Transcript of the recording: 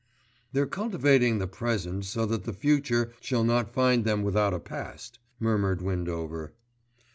"They're cultivating the present so that the future shall not find them without a past," murmured Windover.